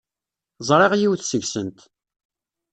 Ẓriɣ yiwet seg-sent.